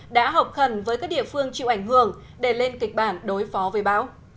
đã họp khẩn với các địa phương chịu ảnh hưởng để lên kịch bản đối phó với bão